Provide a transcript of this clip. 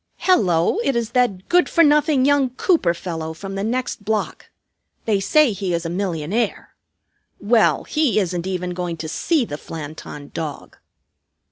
"Hello! It is that good for nothing young Cooper fellow from the next block. They say he is a millionaire. Well, he isn't even going to see the Flanton Dog."